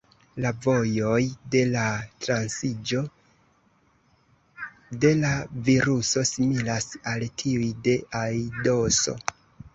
La vojoj de la transiĝo de la viruso similas al tiuj de aidoso.